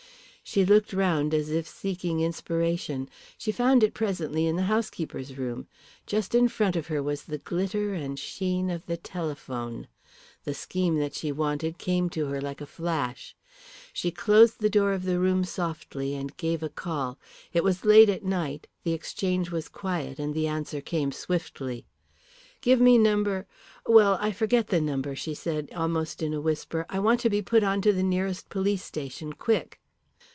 She looked round as if seeking inspiration. She found it presently in the housekeeper's room. Just in front of her was the glitter and sheen of the telephone. The scheme that she wanted came to her like a flash. She closed the door of the room softly and gave a call. It was late at night, the exchange was quiet, and the answer came swiftly. "Give me number well, I forget the number," she said almost in a whisper. "I want to be put on to the nearest police station quick."